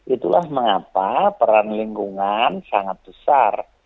itulah mengapa peran lingkungan sangat besar